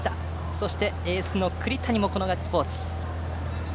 そしてエースの栗谷もこのガッツポーズ。